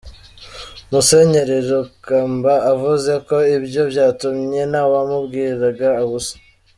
Musenyeri Rukamba avuze ko ibyo byatumye ntawamubwiraga ubusa.